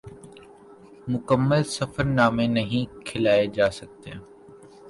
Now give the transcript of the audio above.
مکمل سفر نامے نہیں کھلائے جا سکتے